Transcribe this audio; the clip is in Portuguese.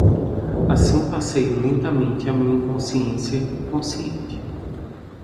Assim passeio lentamente a minha inconsciência consciente